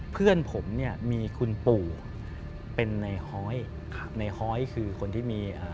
เพื่อนผมเนี่ยมีคุณปู่เป็นในฮ้อยครับในฮ้อยคือคนที่มีอ่า